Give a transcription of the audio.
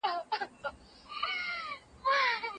ورځ تر بلي یې پر کور قحط الرجال وي